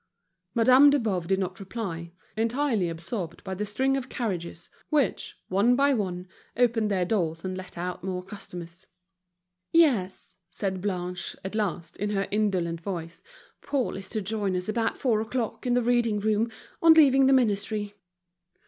Madame de Boves did not reply, entirely absorbed by the string of carriages, which, one by one, opened their doors and let out more customers. "Yes," said Blanche, at last, in her indolent voice. "Paul is to join us about four o'clock in the reading room, on leaving the ministry."